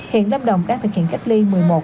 hiện lâm đồng đang thực hiện cách ly